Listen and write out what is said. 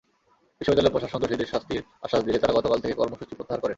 বিশ্ববিদ্যালয় প্রশাসন দোষীদের শাস্তির আশ্বাস দিলে তাঁরা গতকাল থেকে কর্মসূচি প্রত্যাহার করেন।